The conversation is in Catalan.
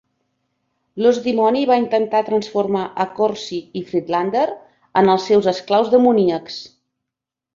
L'Ós Dimoni va intentar transformar a Corsi i Friedlander en els seus esclaus demoníacs.